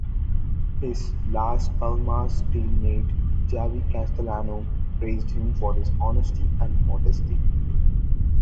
His Las Palmas teammate, Javi Castellano, praised him for his honesty and modesty.